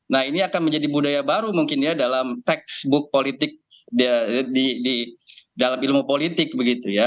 nah ini akan menjadi budaya baru mungkin ya dalam textbook politik di dalam ilmu politik begitu ya